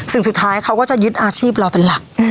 สิ่งสุดท้ายเขาก็จะยึดอาชีพเราเป็นหลัก